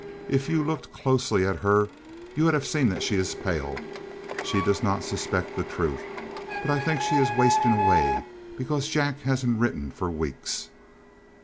"If you looked closely at her you would have seen that she is pale. She does not suspect the truth, but I think she is wasting away because Jack hasn't written for weeks."